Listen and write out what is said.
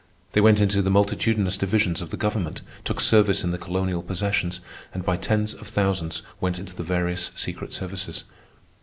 They went into the multitudinous divisions of the government, took service in the colonial possessions, and by tens of thousands went into the various secret services.